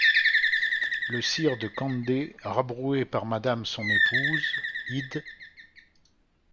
Le sire de Candé rabbroué par madame son espouse id.